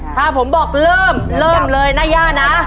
ถ้าผมบอกเริ่มเริ่มเลยนะย่านะ